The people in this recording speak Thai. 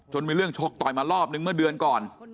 มีเรื่องชกต่อยมารอบนึงเมื่อเดือนก่อน